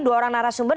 dua orang narasumber